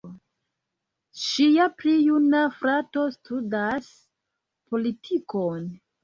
Ŝia pli juna frato studas politikon.